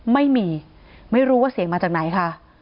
ไม่รู้ว่าเสียงมาจากไหนค่ะ